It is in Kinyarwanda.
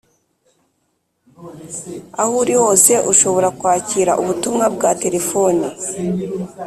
aho uri hose ushobora kwakira ubutumwa bwa terefoni